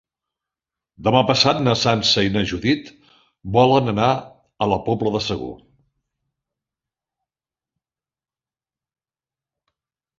Demà passat na Sança i na Judit volen anar a la Pobla de Segur.